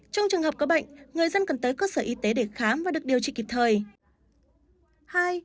trong trường hợp có bệnh người dân cần tới cơ sở y tế để khám và được điều trị kịp thời